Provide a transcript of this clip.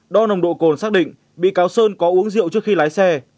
đo nồng độ cồn xác định bị cáo sơn có uống rượu trước khi lái xe